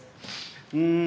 うん。